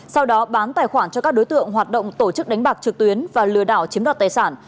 sau đó bán tài khoản cho các đối tượng hoạt động tổ chức đánh bạc trực tuyến và lừa đảo chiếm đoạt tài sản